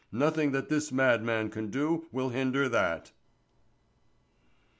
Nothing that this madman can do will hinder that."